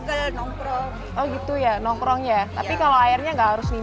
enggak gatel ya tapi kepakaiannya bersih